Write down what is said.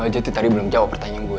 jati tadi belum jawab pertanyaan gue